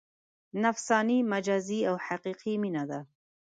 نفساني، مجازي او حقیقي مینه ده.